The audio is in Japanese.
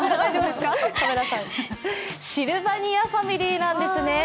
シルバニアファミリーなんですね。